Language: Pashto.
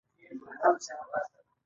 د کرنې ریاست ټلیفون نمبر لرئ؟